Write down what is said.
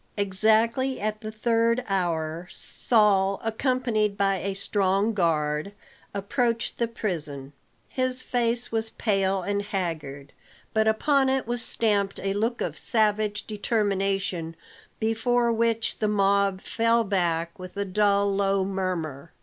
Exactly at the third hour, Saul accompanied by a strong guard approached the prison. His face was pale and haggard, but upon it was stamped a look of savage determination before which the mob fell back with a dull low murmur.